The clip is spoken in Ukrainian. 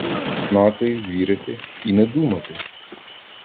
Знати, вірити — і не думати!